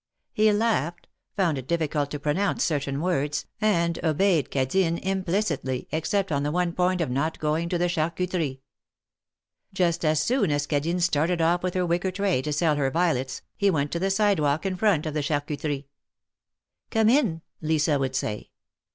He laughed, found it difficult to pronounce certain words, and obeyed Cadine implicitly, except on the one point of not going to the Charcuterie. Just as soon as Cadine started oft* with her wicker tray to sell her violets, he went to the sidewalk in front of the Charcuterie. '^Come in!^^ Lisa would say.